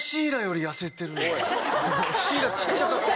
シイラ小っちゃかった。